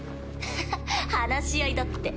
ははっ話し合いだって。